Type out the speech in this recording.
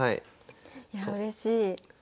いやうれしい。